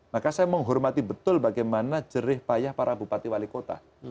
maka saya menghormati betul bagaimana jerih payah para bupati wali kota